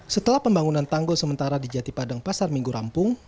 setelah pembangunan tanggul sementara di jati padang pasar minggu rampung